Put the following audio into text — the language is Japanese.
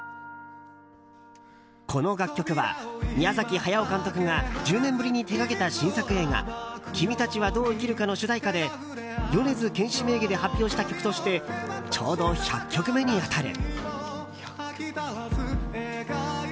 この楽曲は、宮崎駿監督が１０年ぶりに手掛けた新作映画「君たちはどう生きるか」の主題歌で米津玄師名義で発表した曲としてちょうど１００曲目に当たる。